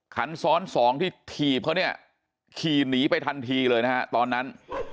คันซ้อนสองที่ถีบเขาเนี่ยขี่หนีไปทันทีเลยนะฮะตอนนั้น